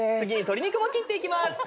次に鶏肉も切っていきます。